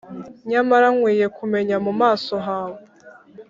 nyamara nkwiye kumenya mu maso hawe!